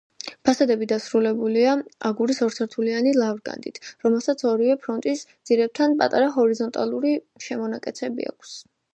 ფასადები დასრულებულია აგურის ორსაფეხურიანი ლავგარდნით, რომელსაც ორივე ფრონტონის ძირებთან პატარა ჰორიზონტალური შემონაკეცები აქვს.